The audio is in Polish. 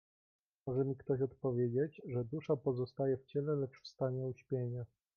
"Może mi ktoś odpowiedzieć, że dusza pozostaje w ciele, lecz w stanie uśpienia."